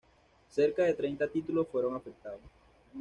Cerca de treinta títulos fueron afectados.